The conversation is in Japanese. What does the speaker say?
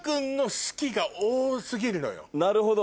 なるほど。